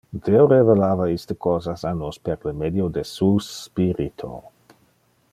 Deo revelava iste cosas a nos per le medio de Su Spirito.